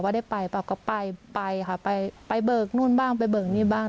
ได้ไปเปล่าก็ไปไปค่ะไปไปเบิกนู่นบ้างไปเบิกนี่บ้าง